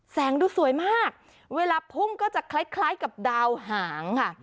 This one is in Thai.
แสงดูสวยมากเวลาพุ่งก็จะคล้ายกับดาวหางค่ะ